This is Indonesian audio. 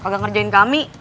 gak ngerjain kami